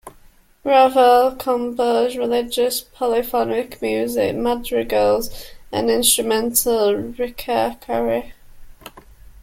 Raval composed religious polyphonic music, madrigals and instrumental ricercari.